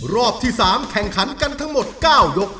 รอบที่๓แข่งขันกันทั้งหมด๙ยก